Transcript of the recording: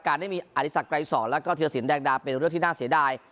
การได้มีอธิษฐกรายสอนและเธอศิลป์แดงดาวเป็นเรื่องที่น่าเสียดาย